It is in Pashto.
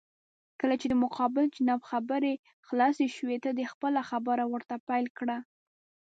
کله چې د مقابل جانب خبرې خلاسې شوې، ته دې خپله خبره ورته پېل کړه.